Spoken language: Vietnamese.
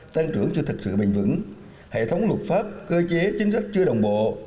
tăng trưởng chưa thực sự bình vững hệ thống luật pháp cơ chế chính sách chưa đồng bộ